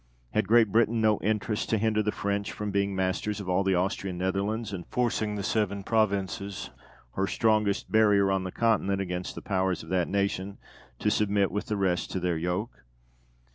Had Great Britain no interest to hinder the French from being masters of all the Austrian Netherlands, and forcing the Seven United Provinces, her strongest barrier on the Continent against the power of that nation, to submit with the rest to their yoke?